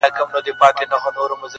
ولي ګناکاري زما د ښار سپيني کفتري دي,